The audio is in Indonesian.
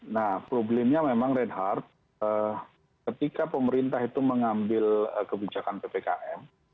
nah problemnya memang reinhardt ketika pemerintah itu mengambil kebijakan ppkm